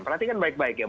perhatikan baik baik ya